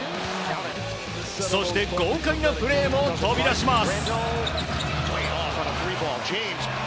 そして豪快なプレーも飛び出します。